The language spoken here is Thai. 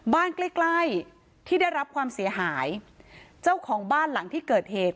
ใกล้ใกล้ที่ได้รับความเสียหายเจ้าของบ้านหลังที่เกิดเหตุ